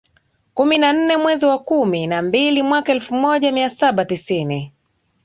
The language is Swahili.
kumi na nne mwezi wa kumi na mbili mwaka elfu moja mia saba tisini